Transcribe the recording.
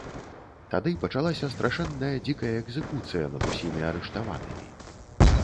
Тады пачалася страшэнная дзікая экзекуцыя над усімі арыштаванымі.